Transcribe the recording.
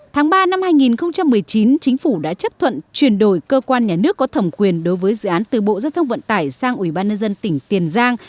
tháng ba năm hai nghìn một mươi chín chính phủ đã chấp thuận chuyển đổi cơ quan nhà nước có thẩm quyền đối với dự án từ bộ giao thông vận tải sang ủy ban nhân dân tỉnh tiền giang